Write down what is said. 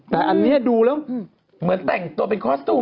แต่อันนี้ดูแล้วเหมือนแต่งตัวเป็นคอสตูม